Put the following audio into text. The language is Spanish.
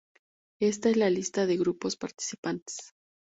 Esta es la lista de grupos participantes.